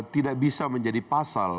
tidak bisa menjadi pasal